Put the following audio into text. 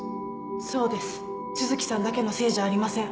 そうです都築さんだけのせいじゃありません。